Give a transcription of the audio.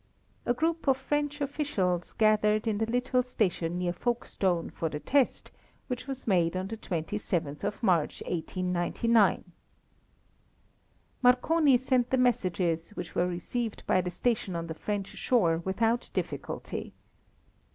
A group of French officials gathered in the little station near Folkestone for the test, which was made on the 27th of March, 1899. Marconi sent the messages, which were received by the station on the French shore without difficulty.